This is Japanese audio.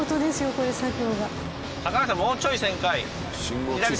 これ作業が。